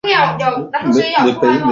这将使得始祖鸟不属于鸟类。